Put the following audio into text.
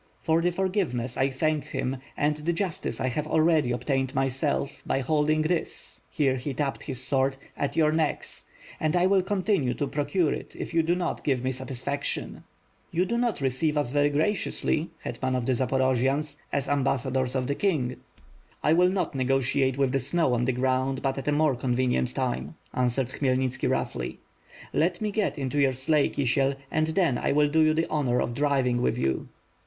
"For the forgiveness, I thank him, and the justice I have already obtained myself, by holding this" — here he tapped his sword, "at your necks, and I will continue to procure it, if you do not give me satisfaction." "You do not receive us very graciously, Hetman of the Zaporojians, as ambassadors of the King." "I will not negotiate with the snow on the ground; but at a more convenient time," answered Khmyelnitski, roughly. "Let me get into your sleigh, Kisiel, and then I will do you the honor of driving with you."